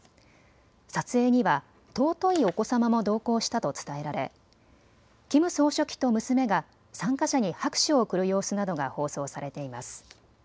撮影には尊いお子様も同行したと伝えられキム総書記と娘が参加者に拍手を送る様子などが放送されています。